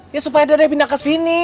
ya supaya dede pindah kesini